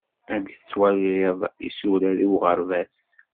Amek tettwaliḍ isurad uɣerbaz?